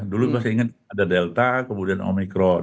dulu masih ingat ada delta kemudian omikron